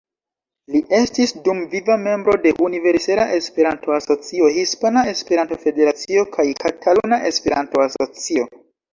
Li estis dumviva membro de Universala Esperanto-Asocio, Hispana Esperanto-Federacio kaj Kataluna Esperanto-Asocio.